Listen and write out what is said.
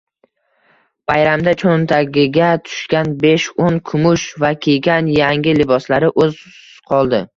Bayramda cho'ntagiga tushgan besho'n kurush va kiygan yangi liboslari o'z qoldi.